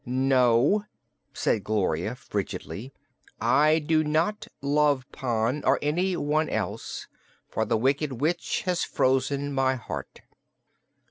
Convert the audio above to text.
"No," said Gloria frigidly, "I do not love Pon, or anyone else, for the Wicked Witch has frozen my heart."